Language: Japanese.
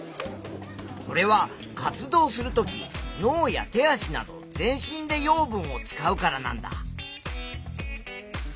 これは活動するとき脳や手足など全身で養分を使うからなんだ。